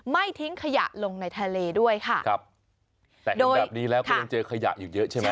ทิ้งขยะลงในทะเลด้วยค่ะครับแต่เห็นแบบนี้แล้วก็ยังเจอขยะอยู่เยอะใช่ไหม